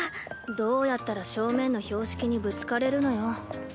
どうやったら正面の標識にぶつかれるのよ。